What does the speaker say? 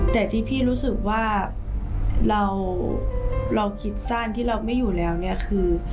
แต่ที่พี่รู้สึกว่าเราคิดสั้นที่เราไม่อยู่แล้วเนี่ยคือ